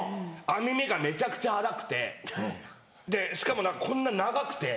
編み目がめちゃくちゃ粗くてしかもこんな長くて。